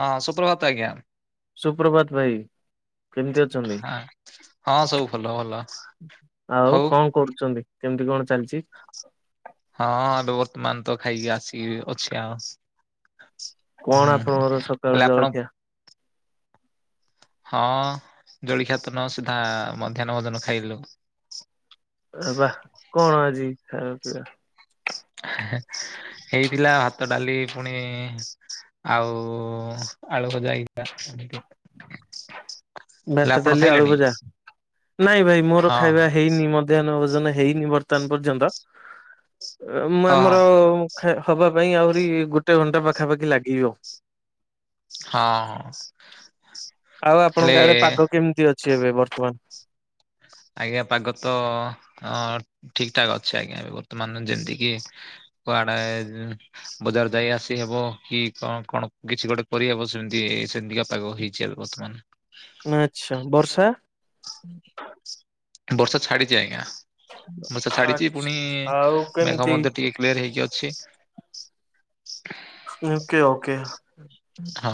ହଁ ସୁପ୍ରଭାତ ଆଗିଆଁ। ସୁପ୍ରଭାତ ଭାଇ। କେମିତି ଅଛନ୍ତି, ହଁ ହଁ ସବୁ ଭଲ ଭଲ ଆଉ ହଉ କଣ କରୁଚନ୍ତି? କେମତି କଣ ଚାଲଚି? ହଁ ଏବେ ବର୍ତ୍ତମାନ ତ ଖାଇକି ଆସିକି ଅଛି ଆ ହୁଁ କଣ ହୁଁ ଆପଣଙ୍କର ସକାଳୁ ହେଲେ ଆପଣ ଜଳଖିଆ ହଁ ଜଳିଖିଆ ତ ନୁହଁ ସିଧା ମଧ୍ୟାହ୍ନ ଭୋଜନ ଖାଇଲୁ। ଆରେ ବା କଣ ଆଜି ଖାଇବା ପିଇବା? ହେଇଥିଲା ଭାତ ଡାଲି ପୁଣି ଆଉ ଆଳୁ ଭଜା ହେଇଥିଲା ଏମିତି। [inaudible] ହେଲେ ଭାତ, ଆପଣ ଡାଲି, ଖାଇଲେଣି ଆଳୁଭଜା ନାଇଁ ଭାଇ ମୋର ହଁ ଖାଇବା ହେଇନି ମ ମଧ୍ୟାନ ଭୋଜନ ହେଇନି ବର୍ତ୍ତମାନ ପର୍ଯ୍ୟନ୍ତ ଅମ୍ ହଁ ହଁ ଆମର ଖା ହବାପାଇଁ ଆହୁରି ଗୋଟେ ଘଣ୍ଟା ପାଖାପାଖି ଲାଗିବ। ହଁ ହଁ। ଆଉ ହେଲେ ଆପଣଙ୍କ ଆଡେ ପାଗ କେମତି ଅଛି ଏବେ ବର୍ତ୍ତମାନ। ଆଜ୍ଞା ପାଗ ତ ଅଁ ଠିକଠାକ ଅଛି ଏବେ ଆଜ୍ଞା ବର୍ତ୍ତମାନ ଯେମିତିକିି କୁଆଡେ ଏଦ୍ ବଜାର ଯାଇ ଆସି ହେବ କି କଣ କଣ କିଛି ଗୋଟେ କରିହବ ସେମିତି ସେମିତିକା ପାଗ ହେଇଛି ଆରୁ। ବର୍ତ୍ତମାନ। ଆଚ୍ଛା ବର୍ଷା? ବର୍ଷା ଛାଡିଚି ଆଜ୍ଞା ବର୍ଷା ଛାଡିଚି ଆଚ୍ଛା ପୁଣି ଆଉ ମେଘ କେମିତି ମଧ୍ୟ ଟିକେ ପ୍ଲେୟର୍ ହେଇକି ଅଛି। Okay okay. ହଁ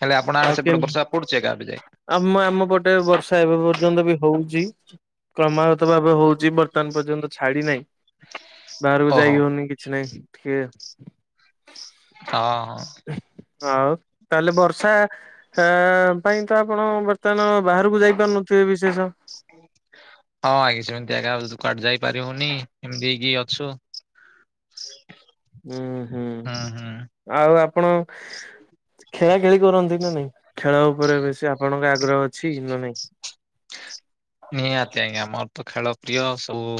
ହେଲେ ଆପଣ ଆଉ ଆଡେ କେମ ସେପଟେ ବର୍ଷା ପଡୁଚି ଆଜ୍ଞା ଏବେ ଯାଏ? ଆମ ଆମ ପଟେ ବର୍ଷା ଏବେ ପର୍ଯ୍ୟନ୍ତ ବି ହୋଉଚି। କ୍ରମାଗତ ଭାବେ ହୋଉଚି ବର୍ତ୍ତମାନ ପର୍ଯ୍ୟନ୍ତ ଛାଡି ନାଇଁ। ବାହାରକୁ ଯାଇ ଓହୋ ହଉନି କିଛି ନାହିଁ ଟିକେ ହଁ ହଁ। ଆଉ ତାହେଲେ ବର୍ଷା ଆ ପାଇଁ ତ ଆପଣ ବର୍ତ୍ତମାନ ବାହାରକୁ ଯାଇପାରୁନଥିବେ ବିଶେଷ? ହୁଁ ହଁ ଆଜ୍ଞ ସେମିତି ଆା ତୁ କୁଆଡେ ଯାଇପାରିବୁନି ଏମିତି ହେକି ଅଛୁ। ହୁଁ ହୁଁ। ଆଉ ଆପଣ ଖେଳା ଖେଳି କରନ୍ତି ନା ନାଇଁ? ଖେଳ ଉପରେ ବେଶୀ ଆପଣଙ୍କ ଆଗ୍ରହ ଅଛି ନା ନାଇଁ? ନିହାତି ଆଜ୍ଞା ମୋରତ ଖେଳ ପ୍ରିୟ ସବୁ।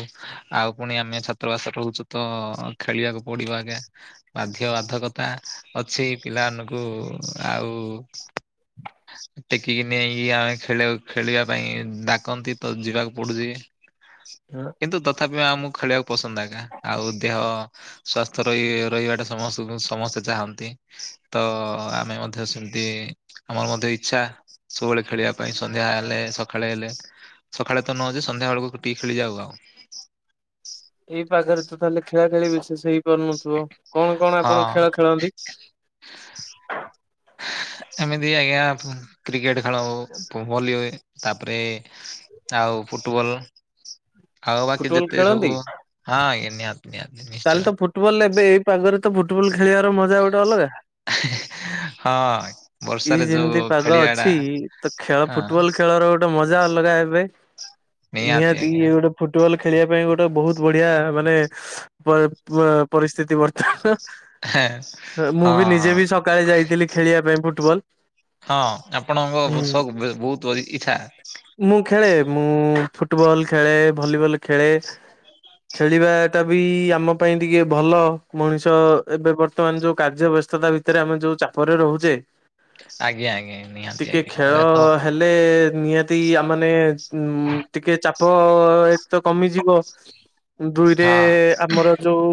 ଆଉ ପୁଣି ଆମେ ଛାତ୍ରବାସ ରହୁଛୁ ତ ଖେଳିବାକୁ ପଡିବ ଆଜ୍ଞା। ବାଧ୍ୟ ବାଧକତା ଅଛି ପିଲାମାନଙ୍କୁ ଆଉ ଟେକିକି ନେଇକି ଆମେ ଖେଳ ଖେଳିବା ପାଇଁ ଡା- କନ୍ତି ତ ଯିବାକୁ ପଡୁଛି। ହଁ। କିନ୍ତୁ ତଥାପି ଆମକୁ ଖେଳିବାକୁ ପସନ୍ଦ ଆଜ୍ଞା। ଆଉ ଦେହ ସ୍ଵାସ୍ଥ୍ୟ ରହି- ରହିବାଟା ସମସ୍ତଙ୍କୁ ସମସ୍ତେ ଚାହାନ୍ତି। ତ ଆମେ ମଧ୍ୟ ସେମିତି ଆମର ମଧ୍ୟ ଇଛା। ସବୁବେଳେ ଖେଳିବା ପାଇଁ ସନ୍ଧ୍ୟା ହେଲେ ସକାଳେ ହେଲେ ସକାଳେ ତ ନଉଛି ସନ୍ଧ୍ୟା ବେଳକୁ ଟିକେ ଖେଳିଯାଉ ଆଉ। ଏଇ ପାଗରେ ତ ତାହେଲେ ଖେଳା ଖେଳି ବିଶେଷ ହେଇପାରୁନଥିବ? କଣ କଣ ଆପଣ ହଁ ଖେଳ ଖେଳନ୍ତି? ଏମିତି ଆଜ୍ଞା କ୍ରିକେଟ ଖେଳ ହ ଭଲି ହୁଏ ତାପରେ ଆଉ ଫୁଟବଲ ଆଉ ବାକି ଫୁଟବଲ ଯେତେ ଖେଳନ୍ତି ସବୁ ହଁ ଆଜ୍ଞ ନିହାତି ନିହାତି, ନିହାତି। ତାହେଲେ ତ ଫୁଟବଲ ଏବେ ଏଇ ପାଗରେ ତ ଫୁଟବଲ ଖେଳିବାର ମଜା ଗୋଟେ ଅଲଗା? ହଁ। ଇଏ ବର୍ଷାରେ ଯୋଉ ଯେମିତି ପାଗ ଖେଳିବା ଟା ଅଛି ତ ଖେଳ ହଁ ଫୁଟବଲ ଖେଳର ଗୋଟେ ମଜା ଅଲଗା ଏବେ? ନିହାତି, ଇଏ ନିହାତି। ଗୋଟେ ଫୁଟବଲ ଖେଳିବା ପାଇଁ ଗୋଟେ ବହୁତ ବଢିଆ ମାନେ ପା- ପା-ପରିସ୍ଥିତି ବର୍ତ୍ତମାନ ମୁଁ ହଁ ବି ନିଜେ ହଁ ବି ସକାଳେ ଯାଇଥିଲି ଖେଳିବା ପାଇଁ ଫୁଟବଲ ହଁ ଆପଣଙ୍କ ହୁଁ ସ ବହୁତ ଇଛା ମୁଁ ଖେଳେ ମୁଁ ଫୁଟବଲ ଖେଳେ ଭଲିବଲ ଖେଳେ ଖେଳିବା ଟା ବି ଆମ ପାଇଁ ଟିକେ ଭଲ ମଣିଷ ଏବେ ବର୍ତ୍ତମାନ ଯୋଉ କାର୍ଯ୍ୟବସ୍ଥା ବ୍ୟସ୍ତତା ଭିତରେ ଆମେ ଯୋଉ ଚାପରେ ରହୁଛେ ଆଜ୍ଞା ଆଜ୍ଞା। ନିହାତି ଟିକେ ଆଜ୍ଞା ଖେଳ ଏଟା ତ ହେଲେ ନିହାତି ଆ ମାନେ ଉ ଟିକେ ଚାପ ପ ଏତେ ତ କମିଯିବ ଦୁଇରେ ହଁ ଆମର ଯୋଉ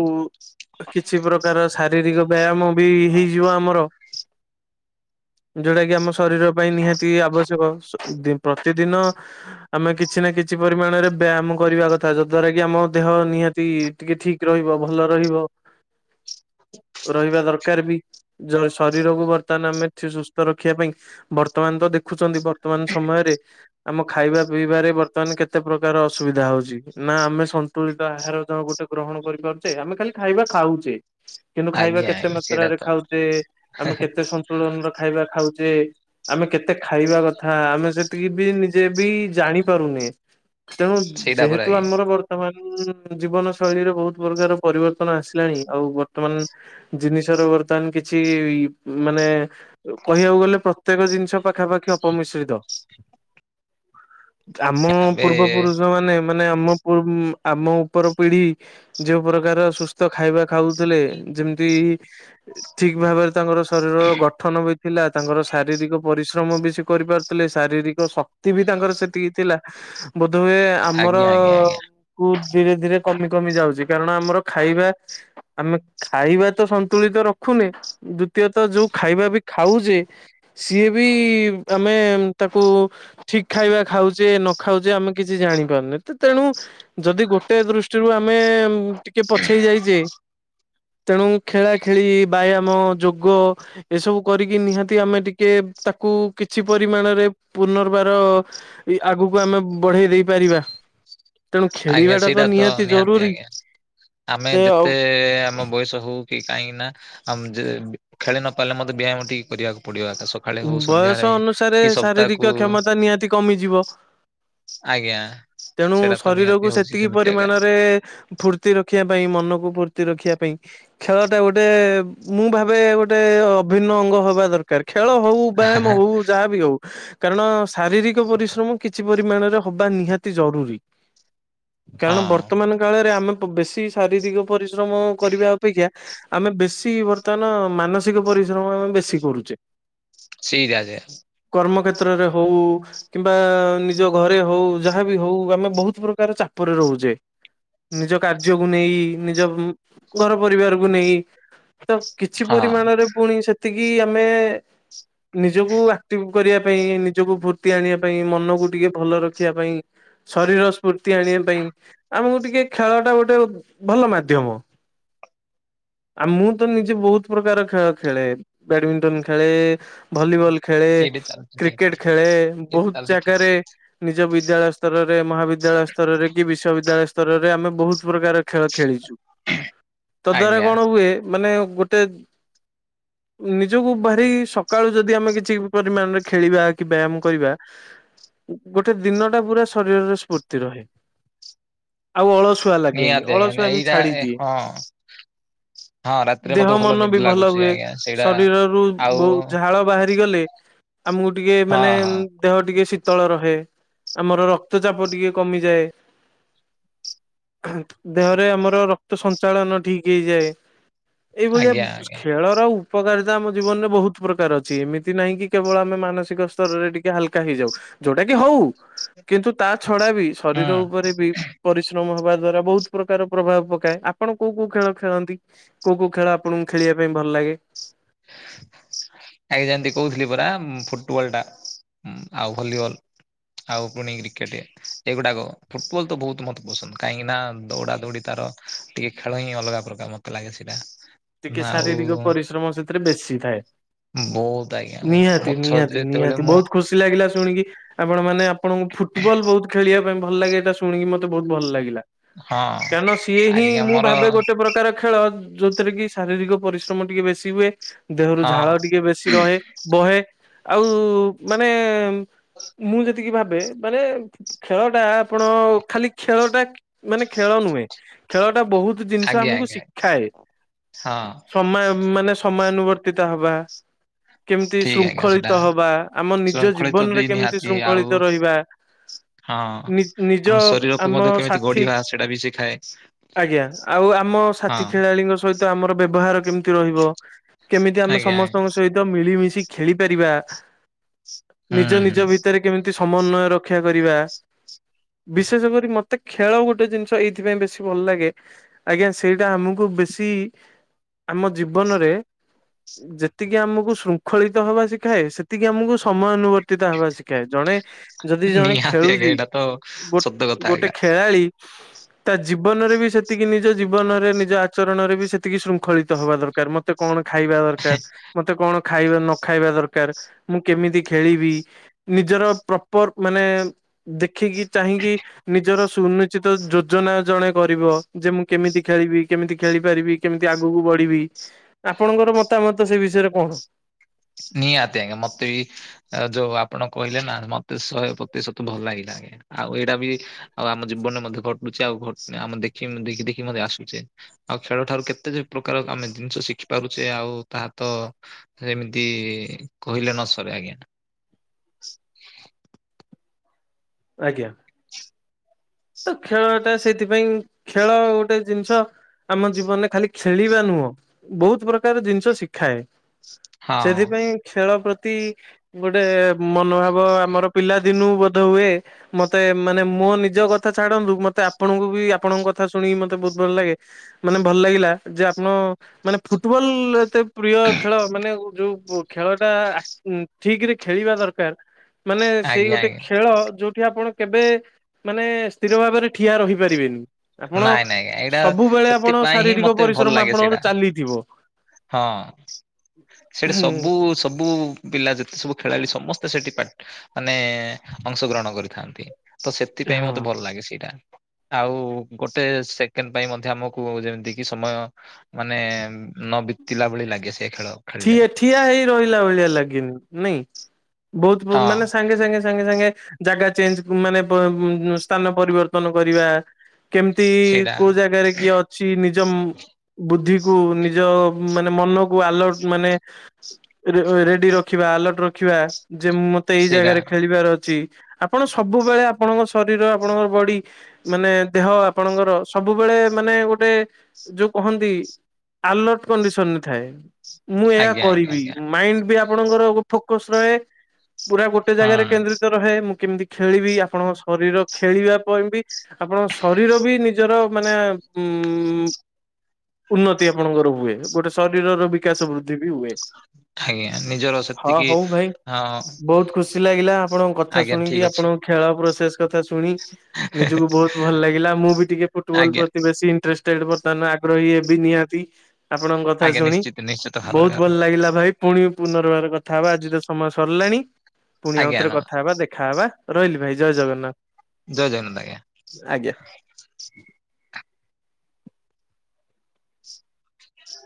କିଛି ପ୍ରକାର ଶାରୀରିକ ବ୍ୟାୟାମ ବି ହେଇଯିବ ଆମର। ଯୋଉଟା କି ଆମ ଶରୀର ପାଇଁ ନିହାତି ଆବଶ୍ୟକ। ପ୍ରତିଦିନ ଆମେ କିଛି ନା କିଛି ପରିମାଣରେ ବ୍ୟାୟାମ କରିବା କଥା ଯ ଦ୍ଵାରା କି ଆମ ଦେହ ନିହାତି ଟିକେ ଠିକ୍ ରହିବ ଭଲ ରହିବ। ରହିବା ଦରକାର ବି। ଯ ଶରୀରକୁୁ ବର୍ତ୍ତମାନ ଆମେ ସୁସ୍ଥ ରଖିବା ପାଇଁ ବର୍ତ୍ତମାନ ତ ଦେଖୁଛନ୍ତି ବର୍ତ୍ତମାନ ସମୟରେ ଆମ ଖାଇବା ପିଇବାରେ ବର୍ତ୍ତମାନ କେତେ ପ୍ରକାର ଅସୁବିଧା ହଉଛି। ନା ଆମେ ଟ୍ୟୁରିଜ ବାହାରେ ଗୋଟେ ଗ୍ରହଣ କରିପାରୁଛେ ଆମେ ଖାଲି ଖାଇବା ଖାଉଛେ ହ କିନ୍ତୁ ଖାଇବା କେତେ ମାତ୍ରାରେ ଖାଉଛେ। ଆମେ କେତେ ସନ୍ତୁଳନ ର ଖାଇବା ଖାଉଛେ ଆମେ କେତେ ଖାଇବା କଥା ଆମେ ସେତିକି ବି ନିଜେ ବି ଜାଣି ପାରୁନେ ତେଣୁ ସେଇଟା ପରେ ଯେହେତୁ ଆଜ୍ଞା ଆମର ବର୍ ବର୍ତ୍ତମାନ ଜୀବନ ଶୈଳୀରେ ବହୁତ ପ୍ରକାର ପରିବର୍ତ୍ତନ ଆସିଲାଣି ଆଉ ବର୍ତ୍ତମାନ ଜିନିଷ ର ବର୍ତ୍ତମାନ କିଛି ମାନେ କହିବାକୁ ଗଲେ ପ୍ରତ୍ୟେକ ଜିନିଷ ପାଖାପାଖି ଅପମିଶ୍ରିତ। ଆମ ଏବେ ପୂର୍ବ ପୁରୁଷ ମାନେ ମାନେ ଆମ ପୂ ଆମ ଉପର ପିଢି ଯୋଉ ପ୍ରକାର ସୁସ୍ଥ ଖାଇବା ଖାଉଥିଲେ ଯେମିତି ଠିକ ଭାବରେ ତାଙ୍କର ଶରୀରର ଗଠନ ବି ଥିଲା ତାଙ୍କର ଶାରୀରିକ ପରି ଶ୍ରମ ବି ସିଏ କରିପାରୁଥିଲେ ଶାରୀରିକ ଶକ୍ତି ବି ତାଙ୍କର ସେତିକି ଥିଲା। ବୋଧହୁଏ ଆମର ଆଜ୍ଞା ଆଜ୍ଞା ଆଜ୍ଞା କୁ ଧୀରେ ଧୀରେ କମି କମି ଯାଉଛି କାରଣ ଆମର ଖାଇବା ଆମେ ଖାଇବା ତ ସନ୍ତୁଳିତ ରଖୁନି ଦୁତୀୟତଃ ଯୋଉ ଖାଇବା ବି ଖାଉଛେ ସିଏ ବି ଆମେ ତାକୁ ଠିକ ଖାଇବା ଖାଉଛେ ନ ଖାଉଛେ ଆମେ କିଛି ଜାଣିପାରୁନେ ତ ତେଣୁ ଯଦି ଗୋଟେ ଦୃଷ୍ଟିରୁ ଆମେ ଟିକେ ପଛେଇ ଯାଇଛେ। ତେଣୁ ଖେଳା ଖେଳି ବ୍ୟାୟାମ ଯୋଗ ଏସବୁ କରିକି ନିହାତି ଆମେ ଟିକେ ତାକୁ କିଛି ପରିମାଣରେ ପୁନର୍ବାର ଇ ଆଗକୁ ଆମେ ବଢେଇ ଦେଇ ପାରିବା। ତେଣୁ ଆଜ୍ଞା ଖେଳିବାଟା ସେଇଟା ତ ନିହାତି ଜରୁରୀ। ଆଜ୍ଞା ଆମେ ତେ ଯେତେ ଆମ ବୟସ ହଉ କାହିଁକି ନା ଆ ଯେ ଖେଳି ନ ପାରିଲେ ମଧ୍ୟ ବ୍ୟାୟାମ ଟିକେ କରିବାକୁ ପଡିବ ଆ ସ ସକାଳେ ହଉ ବୟସ ସନ୍ଧ୍ୟାରେ ଅନୁସାରେ କି ସପ୍ତାହକୁ ଶାରୀରିକ କ୍ଷମତା ନିହାତି କମିଯିବ। ଆଜ୍ଞା ସେଡା ଶରୀରକୁୁ ସେତିକି ପରିମାଣରେ ଫୁର୍ତି ରଖିବା ପାଇଁ ମନକୁ ଫୁର୍ତି ରଖିବା ପାଇଁ ଖେଳ ଟା ଗୋଟେ ମୁଁ ଭାବେ ଗୋଟେ ଅଭିନ୍ନ ଅ ଅଙ୍ଗ ହେବା ଦରକାର ଖେଳ ହଉ ବ୍ୟାୟାମ ହଉ ଯାହାବି ହଉ। କାରଣ ଶାରୀରିକ ପରିଶ୍ରମ କିଛି ପରିମାଣରେ ହବା ନିହାତି ଜରୁରୀ। କାରଣ ହଁ ବର୍ତ୍ତମାନ କାଳରେ ଆମେ ବ ବେଶୀ ଶାରୀରିକ ପରିଶ୍ରମ କରିବା ଅପେକ୍ଷା ଆମେ ବେଶୀ ବର୍ତ୍ତମାନ ମାନସିକ ପରିଶ୍ରମ ଆମେ ବେଶୀ କରୁଛେ। [unintelligible] କର୍ମ କ୍ଷେତ୍ରରେ ହଉ କିମ୍ବା ନିଜ ଘରେ ହଉ ଯାହାବି ହଉ ଆମେ ବହୁତ ପ୍ରକାର ଚାପରେ ରହୁଛେ। ନିଜ କାର୍ଯ୍ୟକୁ ନେଇ ନିଜ ଘର ପରିବାରକୁ ନେଇ ତ କିଛି ହଁ ପରିମାଣରେ ପୁଣି ସେତିକି ଆମେ ନିଜକୁ ଆକ୍ଟିଭ କରିବା ପାଇଁ ନିଜକୁ ଫୁର୍ତ୍ତି ଆଣିବା ପାଇଁ ମନକୁ ଟିକେ ଭଲ ରଖିବା ପାଇଁ ଶରୀର ସ୍ଫୁର୍ତ୍ତି ଆଣିବା ପାଇଁ ଆମକୁ ଟିକେ ଖେଳ ଟା ଗୋଟେ ଭଲ ମାଧ୍ୟମ। ଆଉ ମୁଁ ତ ନିଜେ ବହୁତ ପ୍ରକାର ଖେଳ ଖେଳେ ବ୍ୟାଡମିଣ୍ଟନ ଖେ ଖେଳେ ଭଲିବଲ ଖେଳେ ସେଇଟା ଚାଲୁଛି ଠିକ କ୍ରିକେଟ ଠାକ ଖେଳେ ଏଇଠି ବହୁତ ଚାଲୁଛି ଠିକ ଠାକ ଜାଗାରେ ନିଜ ବିଦ୍ୟାଳୟ ସ୍ତରରେ ମହାବିଦ୍ୟାଳୟ ସ୍ତରରେ କି ବିଶ୍ୱବିଦ୍ୟାଳୟ ସ୍ତ ସ୍ତରରେ ଆମେ ବହୁତ ପ୍ରକାର ଖେଳ ଖେଳିଛୁ ତ ଦ୍ଵାରା ଆଜ୍ଞା କଣ ହୁଏ ମାନେ ଗୋଟେ ନିଜକୁ ଭାରି ସକାଳୁ ଯଦି ଆମେ କିଛି ପରିମାଣରେ ଖେଳିବା କି ବ୍ୟାୟାମ କରିବା? ଗୋଟେ ଦିନ ଟା ପୁରା ଶରୀରରେ ସ୍ଫୁର୍ତ୍ତି ରହେ ଆଉ ଅଳସୁ ଅଳସୁଆ ଲାଗେନି ନିହାତି ଆଜ୍ଞା ଅଳସୁଆମି ଏଇଟା ଛାଡି ଏ ଦିଏ। ହଁ ହଁ ରାତିରେ ଦେହ ମତେ ମନ ନିଦ ବି ଭଲ ଲାଗୁଛି ହୁଏ ଆଜ୍ଞା ସେଇଟା ଶରୀରରୁ ଆଉ ବହୁତ ଯା ଝାଳ ବାହାରି ଗଲେ ଆମକୁ ଟିକେ ହଁ ମାନେ ହଁ ଦେହ ଟିକେ ଶୀତଳ ରହେ ଆମର ରକ୍ତ ଚାପ ଟିକେ କମିଯାଏ। ଦେହରେ ଆମର ରକ୍ତ ସଞ୍ଚାଳନ ଠିକ ହେଇଯାଏ। ଏଇଭଳିଆ ଆଜ୍ଞା ଆଜ୍ଞା ଖେଳର ଉପକାରିତା ଆମେ ଜୀବନରେ ବହୁତ ପ୍ରକାର ଅଛି ଏମିତି ନାହିଁ କି କେବଳ ଆମେ ମାନସିକ ସ୍ତରରେ ଟିକେ ହାଲକା ହେଇଯାଉ। ଯୋଉଟା କି ହଉ। କିନ୍ତୁ ତା ଛଡା ବି ହୁଁ ଶରୀର ଉପରେ ବି ପରିଶ୍ରମ ହବା ଦ୍ଵାରା ବହୁତ ପ୍ରକାର ପ୍ରଭାବ ପକାଏ। ଆପଣ କୋଉ କୋଉ ଖେଳ ଖେଳନ୍ତି? କୋଉ କୋଉ ଖେଳ ଆପଣଙ୍କୁ ଖେଳିବା ପାଇଁ ଭଲ ଲାଗେ? [inaudible] ଏ ଯେମତି କହୁଥିଲି ପରା ଫୁଟବଲ ଟା ଆଉ ଭଲିବଲ। ଆଉ ପୁଣି କ୍ରିକେଟ ଏଗୁଡାକ। ଫୁଟବଲ ତ ବହୁତ ମତେ ପସନ୍ଦ। କାହିଁକି ନା ଦୌଡ଼ା ଦୌଡ଼ି ତାର ଟିକେ ଖେଳ ହିଁ ଅଲଗା ପ୍ରକାର ମତେ ଲାଗେ ସେଇଟା। ଟିକେ ନା ଆଉ ଶାରୀରିକ ପରିଶ୍ରମ ସେଥିରେ ବେଶୀ ଥାଏ। ବହୁତ ଆଜ୍ଞା ନିହାତି ମଛ ନିହାତି ଯେତେବେଳେ ନିହାତି ମୁଁ ବହୁତ ଖୁସି ଲାଗିଲା ଶୁଣିକି। ଆପଣ ମାନେ ଆପଣଙ୍କୁ ଫୁଟବଲ ବହୁତ ଖେଳିବା ପାଇଁ ଭଲ ଲାଗେ ଏଇଟା ଶୁଣିକି ମତେ ବହୁତ ଭଲ ଲାଗିଲା। ହଁ କାରଣ ସିଏ ହିଁ ଆଜ୍ଞା ମୁଁ ମୋର ଭାବେ ଗୋଟେ ପ୍ର ପ୍ରକାର ଖେଳ, ଯୋଉଥିରେ କି ଶାରୀରିକ ପରିଶ୍ରମ ଟିକେ ବେଶୀ ହୁଏ। ଦେହରୁ ହଁ ଝାଳ ଟିକେ ବେଶୀ ରହେ ବହେ। ଆଉ ମାନେ ମୁଁ ଯେତିକି ଭାବେ ମାନେ ଖେଳ ଟା ଆପଣ ଖାଲି ଖେଳ ଟା ମାନେ ଖେଳ ନୁହେଁ। ଖେଳ ଟା ବହୁତ ଜିନିଷ ଆଜ୍ଞା ଆମକୁ ଆଜ୍ଞା ଶିଖାଏ। ହଁ। ସମୟ ମାନେ ସମୟାନୁବର୍ତ୍ତିତ ହବା। କେମିତି ଠିକ ଆଜ୍ଞା ସେଇଟା ଶୃଙ୍ଖଳିତ ହବା ଆମ ନିଜ ଶୃଙ୍ଖଳିତ ବି ଜୀବନରେ କେମିତି ନିହାତି ଆଉ ଶୃଙ୍ଖଳିତ ରହିବା। ହଁ ନି ନିଜ ଆମ ଶରୀରକୁ ଆମ ମଧ୍ୟ କେମିତି ସାଥି ଗଢିବା ସେଇଟା ବି ଶିଖାଏ। ଆଜ୍ଞା। ଆଉ ଆମ ହଁ ସାଥି ଖେଳାଳିଙ୍କ ସହିତ ଆମର ବ୍ୟବହାର କେମିତି ରହିବ। କେମିତି ଆମେ ଆଜ୍ଞା ଆଜ୍ଞା ସମସ୍ତଙ୍କ ସହିତ ମିଳିମିଶି ଖେଳି ପାରିବା। ନିଜ ହୁଁ ନିଜ ହୁଁ ଭିତରେ କେମିତି ସମନ୍ୱୟ ରକ୍ଷା କରିବା। ବିଶେଷ କରି ମତେ ଖେଳ ଗୋଟେ ଜିନିଷ ଏଇଥିପାଇଁ ବେଶୀ ଭଲ ଲାଗେ ଆଜ୍ଞା ସେଇଟା ଆମକୁ ବେଶୀ ଆମ ଜୀବନରେ ଯେତିକି ଆମକୁ ଶୃଙ୍ଖଳିତ ହବା ଶିଖାଏ। ସେତିକି ଆମକୁ ସମୟାନୁବର୍ତ୍ତ ବ୍ରତିତା ହେବା ଶିଖାଏ। ଜଣେ ଯଦି ଜଣେ ନିହାତି ଆଜ୍ଞା ଖେଳୁଚି ଏଇଟା ତ ଗୋ ସତ କଥା ଆଜ୍ଞା ଗୋଟେ ଖେଳାଳି ତା ଜୀବନରେ ବି ସେତିକି ନିଜ ଜୀବନରେ ନିଜ ଆଚରଣରେ ବି ସେତିକି ଶୃଙ୍ଖଳିତ ହବା ଦ କାର ମତେ କଣ ଖାଇବା ଦରକାର। ମତେ କଣ ଖାଇବା ନ ଖାଇବା ଦରକାର ମୁଁ କେମିତି ଖେଳିବି। ନିଜର ପ୍ରପର ମାନେ ଦେଖିକି ଚାହିଁକି ନିଜର ସୁନିଚିତ ଯୋଜନା ଜଣେ କରିବ ଯେ ମୁଁ କେମିତି ଖେଳିବି କେମିତି ଖେଳି ପାରିବି। କେମିତି ଆଗକୁ ବଢିବି। ଆପଣଙ୍କର ମତାମତ ସେ ବିଷୟରେ କଣ? ନିହାତି ଆଜ୍ଞା। ମୋତେ ବି ଆ ଯୋଉ ଆପଣ କହିଲେ ନା ମତେ ଶହେ ପ୍ରତିଶତ ଭଲ ଲାଗେ। ଆଉ ଏଇଟା ବି ଆଉ ଆମ ଜୀବନରେ ମଧ୍ୟ ଘଟୁଚି ଆଉ ଘ ଆମ ଦେଖି ଦେଖି ଦେଖି ମଧ୍ୟ ଆସୁଚେ। ଆଉ ଖେଳ ଠାରୁ କେତେ ଯେ ପ୍ରକାର ଆମେ ଜିନିଷ ଶିଖି ପାରୁଚେ ଆଉ ତାହା ତ ସେ ତି କହିଲେ ନ ସରେ ଆଜ୍ଞା। ଆଜ୍ଞା। ତ ଖେଳ ଟା ସେଇଥିପାଇଁ ଖେଳ ଗୋଟେ ଜିନିଷ ଆମ ଜୀବନରେ ଖାଲି ଖେଳିବା ନୁହଁ, ବହୁତ ପ୍ରକାର ଜିନିଷ ଶିଖାଏ। ହଁ ସେଥିପାଇଁ ଖେଳ ପ୍ରତି ଗୋଟେ ମନୋଭାବ ଆମର ପିଲା ଦିନୁ ବୋଧ ହୁଏ ମତେ ମାନେ ମୋ ନିଜ କଥା ଛାଡନ୍ତୁ ମତେ ଆପଣଙ୍କୁ ବି ଆପଣଙ୍କ କଥା ଶୁଣିକି ମତେ ବହୁତ ଭଲ ଲାଗେ। ମାନେ ଭଲ ଲାଗିଲା। ଯେ ଆପଣ ମାନେ ଫୁଟବଲ ଏତେ ପ୍ରିୟ ଖେଳ ମାନେ ଯୋଉ ଖେଳ ଟା ଠିକ୍ ରେ ଖେଳିବା ଦରକାର। ମାନେ ସେଇ ଆଜ୍ଞା ଗୋଟେ ଆଜ୍ଞା। ଖେଳ ଏଠି ଆପଣ କେବେ ମାନେ ସ୍ଥିର ଭାବରେ ଠିଆ ରହିପାରିବେନି। ଆପଣ ନାଇଁ ନାଇଁ ଆଜ୍ଞା ଏଇଟା ସବୁବେଳେ ଆପଣ ସେଥିପାଇଁ ହିଁ ଶାରୀରିକ ମତେ ଭଲ ପରିଶ୍ରମ ଲାଗେ ଆପଣଙ୍କର ସେଇଟା ଚାଲିଥିବ। ହଁ। ସେଇଟା ସବୁ ସବୁ ପିଲା ଯେତେ ସବୁ ଖେଳାଳି ସମସ୍ତେ ସେଠି ପା ମାନେ ଅଂଶଗ୍ରହଣ କରିଥାନ୍ତି। ତ ସେଥିପାଇଁ ମତେ ହଁ। ଭଲ ଲାଗେ ସେଇଟା ଆଉ ଗୋଟେ ସେକେଣ୍ଡ ପାଇଁ ମଧ୍ୟ ଆମକୁ ଯେମିତି କି ସମୟ ମାନେ ନ ବିତିଲା ଭଳି ଲାଗେ ସେ ଖେଳ। ଖେଳିଲେ ଠିଆ ଠିଆ ହେଇ ରହିଲା ଭଳିଆ ଲାଗିନି ନାଇଁ ବହୁତ ହଁ ମାନେ ସାଙ୍ଗେ ସାଙ୍ଗେ। ସାଙ୍ଗେ ସାଙ୍ଗେ ଜାଗା ଚେଞ୍ଜ ମାନେ ସ୍ଥାନ ପରିବର୍ତ୍ତନ କରିବା। କେମିତି ସେଇଟା କୋଉ ଜାଗାରେ କିଏ ଅ। ସ ନିଜ ବୁଦ୍ଧିକୁ ନିଜ ମାନେ ମନକୁ ଆଲର୍ଟ ମାନେ ରେଡି ରଖିବା ଆଲର୍ଟ ରଖିବା ଯେ ମ ତ ଏଇ ସେଇଟା ଜାଗାରେ ଖେଳିବାର ଅଛି ଆପଣ ସବୁବେଳେ ଆପଣଙ୍କ ଶରୀର ଆପଣଙ୍କ ବଡି ମାନେ ଦେହ ଆପଣଙ୍କର ସବୁବେଳେ ମାନେ ଗୋଟେ ଯୋଉ କହନ୍ତି। ଆଲର୍ଟ କଣ୍ଡିସନ ଥାଏ। ମୁଁ ଏହା ଆଜ୍ଞା ଆଜ୍ଞା କରିବି ଆଜ୍ଞା ମାଇଣ୍ଡ ବି ଆପଣଙ୍କର ଫୋକସ ରହେ ପୁରା ଗୋଟେ ଗୋଟେ ହଁ ଜାଗାରେ କେନ୍ଦ୍ରିତ ରହେ ମୁଁ କେମିତି ଖେଳିବି ଆପଣଙ୍କ ଶରୀର ଖେଳିବା ପାଇଁ ବି ଆପଣ ଶରୀର ବି ନି ମାନେ ଉନତି ଆପଣଙ୍କର ହୁଏ ଗୋଟେ ଶରୀରର। କ ସମ ସମୃଦ୍ଧି ବି ହଏ। ଆଜ୍ଞା ନିଜର ହଁ ସେତିକି ହଉ ଭାଇ ହଁ ବହୁତ ଖୁସି ଲାଗିଲା ଆପଣଙ୍କ କଥା ଆଜ୍ଞା ଶୁଣିକି ଠିକ ଆପଣ ଅଛି ଖେଳ ପ୍ରସେସ କଥା ଶୁଣି ନିଜକୁ ବହୁତ ଭଲ ଲାଗିଲା ମୁଁ ବି ଟିକେ ଫୁଟବଲ ଆଜ୍ଞା ପ୍ରତି ବେଶୀ ଇଣ୍ଟଷ୍ଟ। ବର୍ତ୍ତମାନ ଆଗ୍ରହୀ ଏ ବି ନିହାତି ଆପଣଙ୍କ କଥା ଆଜ୍ଞା ଶୁଣି। ନିଶ୍ଚିତ ନିଶ୍ଚିତ ଭାବରେ ବହୁତ ଭଲ ଭାବରେ ଲାଗିଲା ଭାଇ ପୁଣି ପୁନର୍ବାର କଥା ହବା ଆଜି ତ ସମୟ ସରିଲାଣି। ପୁଣି ଆଜ୍ଞା ଆଉଥରେ ନ କଥା ହେବା ଦେଖାହବା ରହିଲି ଭାଇ ଜୟ ଜଗନ୍ନାଥ। ଜୟ ଜଗନ୍ନାଥ ଆଜ୍ଞା। ଆଜ୍ଞା।